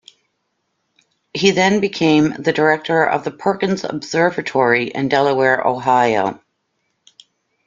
He then became the director of the Perkins Observatory in Delaware, Ohio.